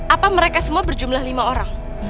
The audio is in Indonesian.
apa mereka semua berjumlah lima orang